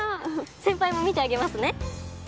先輩も見てあげますね。